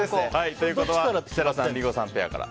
設楽さん、リンゴさんペアから。